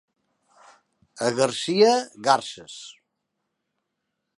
A Garcia, garses.